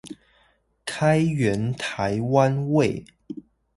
開源台灣味